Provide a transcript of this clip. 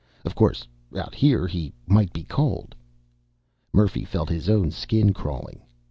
Of course out here he might be cold.... Murphy felt his own skin crawling.